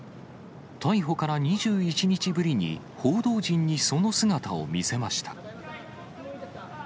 逮捕から２１日ぶりに、報道陣にその姿を見せました。